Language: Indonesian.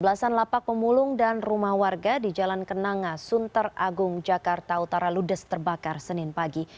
belasan lapak pemulung dan rumah warga di jalan kenanga sunter agung jakarta utara ludes terbakar senin pagi